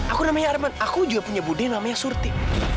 aku namanya arman aku juga punya budi namanya surti